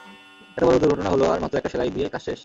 এত বড় দূর্ঘটনা হলো আর মাত্র একটা সেলাই দিয়ে কাজ শেষ।